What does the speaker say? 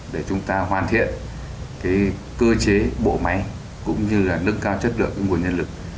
để chúng ta hoàn thiện cơ chế bộ máy cũng như là nâng cao chất lượng nguồn nhân lực